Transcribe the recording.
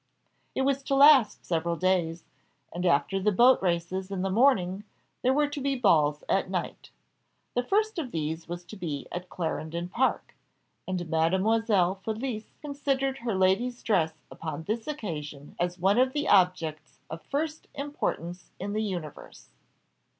It was to last several days: and after the boat races in the morning, there were to be balls at night. The first of these was to be at Clarendon Park, and Mademoiselle Felicie considered her lady's dress upon this occasion as one of the objects of first importance in the universe.